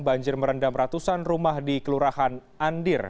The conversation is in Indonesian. banjir merendam ratusan rumah di kelurahan andir